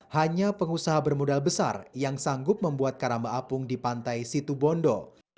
hanya pengusaha bermodal besar yang sanggup membuat karamba apung di pantai situbondo